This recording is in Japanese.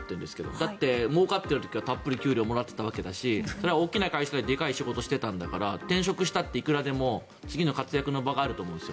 だって、もうかっている時はたっぷり給料をもらっていたわけだし大きな企業ででかい仕事をしていたわけだから転職したって、いくらでも次の活躍の場があると思うんですよ。